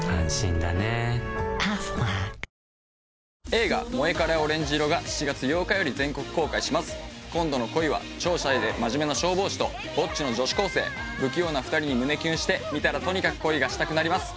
映画「モエカレはオレンジ色」が７月８日より全国公開します今度の恋は超シャイで真面目な消防士とぼっちの女子高生不器用な２人に胸キュンして見たらとにかく恋がしたくなります